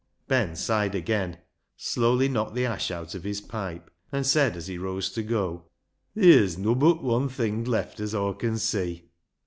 Ben sighed again, slowly knocked the ash out of his pipe, and said, as he rose to go — "Theer's nobbut wun thing left as Aw con see."